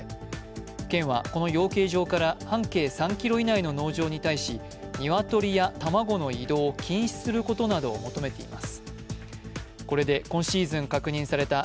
県はこの養鶏場から半径３ｋｍ以内の農場に対しニワトリや卵の移動を禁止することなどを求めています。